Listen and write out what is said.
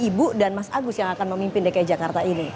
ibu dan mas agus yang akan memimpin dki jakarta ini